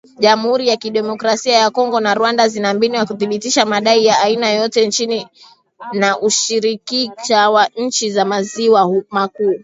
Jamhuri ya Kidemokrasia ya Kongo na Rwanda zina mbinu za kuthibitisha madai ya aina yoyote chini ya ushirika wa nchi za maziwa makuu.